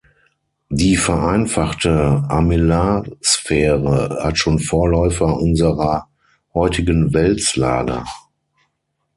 Die vereinfachte Armillarsphäre hat schon Vorläufer unserer heutigen Wälzlager.